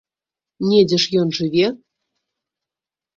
Недзе ж ён жыве!